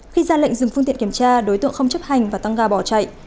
khi ra lệnh dừng phương tiện kiểm tra đối tượng không chấp hành và tăng ga bỏ chạy